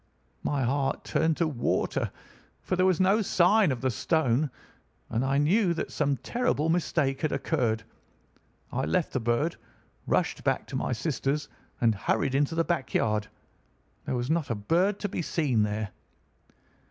My heart turned to water, for there was no sign of the stone, and I knew that some terrible mistake had occurred. I left the bird, rushed back to my sister's, and hurried into the back yard. There was not a bird to be seen there.